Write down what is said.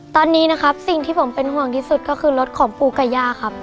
ตอนนี้นะครับสิ่งที่ผมเป็นห่วงที่สุดก็คือรถของปูกับย่าครับ